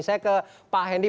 saya ke pak hendy